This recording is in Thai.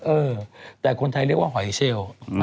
เออแต่คนไทยเรียกว่าหอยเชล